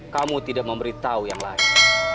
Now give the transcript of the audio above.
kamu tidak memberitahu yang lain